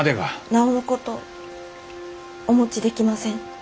なおのことお持ちできません。